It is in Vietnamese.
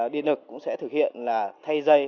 điện lực cũng sẽ thực hiện là thay dây